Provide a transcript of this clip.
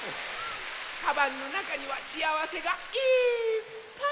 カバンのなかにはしあわせがいっぱい！